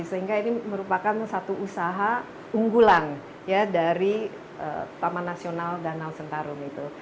sehingga ini merupakan satu usaha unggulan dari taman nasional danau sentarum itu